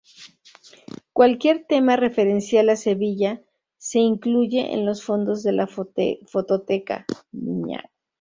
Cualquier tema referencial a Sevilla, se incluye en los fondos de la Fototeca.